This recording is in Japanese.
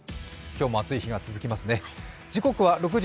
今日も暑い日が続きますね。